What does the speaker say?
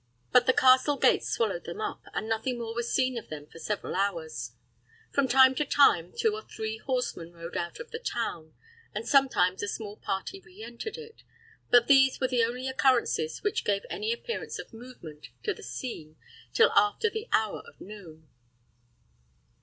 But the castle gates swallowed them up, and nothing more was seen of them for several hours. From time to time, two or three horsemen rode out of the town, and sometimes a small party re entered it; but these were the only occurrences which gave any appearance of movement to the scene till after the hour of noon.